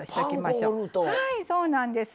はいそうなんです。